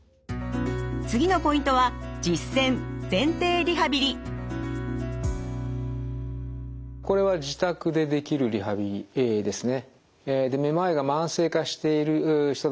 次のポイントはこれは自宅でできるリハビリですね。